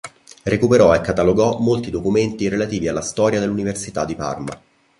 Recuperò e catalogò molti documenti relativi alla storia dell'Università di Parma.